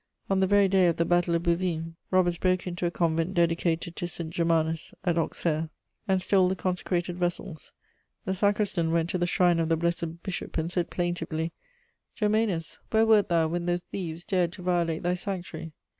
On the very day of the Battle of Bouvines, robbers broke into a convent dedicated to St. Germanus at Auxerre, and stole the consecrated vessels. The sacristan went to the shrine of the blessed bishop and said plaintively: "Germanus, where wert thou when those thieves dared to violate thy sanctuary?"